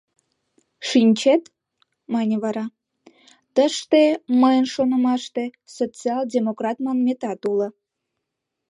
— Шинчет, — мане вара, — тыште, мыйын шонымаште, социал-демократ манметат уло.